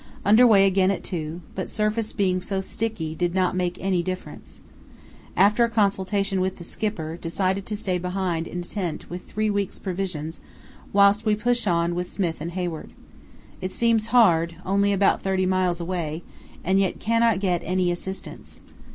Under way again at 2, but surface being so sticky did not make any difference. After a consultation the Skipper decided to stay behind in a tent with three weeks' provisions whilst we pushed on with Smith and Hayward. It seems hard, only about thirty miles away, and yet cannot get any assistance.